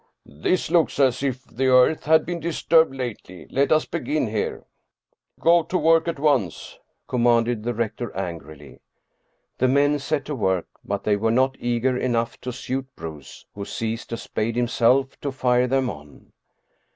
" This looks as if the earth had been disturbed lately. Let us begin here." " Go to work at once/' commanded the rector angrily. The men set to work, but they were not eager enough to suit Bruus, who seized a spade himself to fire them on.